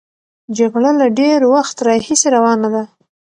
جګړه له ډېر وخت راهیسې روانه ده.